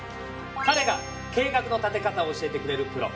かれが「計画の立て方」を教えてくれるプロ。